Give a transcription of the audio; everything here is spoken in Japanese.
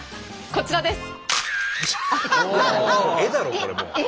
こちらです！